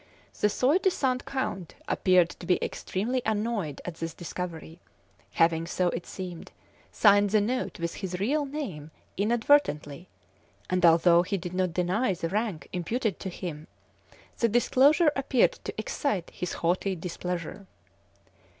The soi disant "count" appeared to be extremely annoyed at this discovery, having, so it seemed, signed the note with his real name inadvertently; and although he did not deny the rank imputed to him, the disclosure appeared to excite his haughty displeasure.